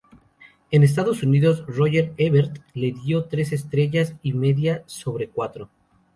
En Estados Unidos, Roger Ebert le dio tres estrellas y media sobre cuatro.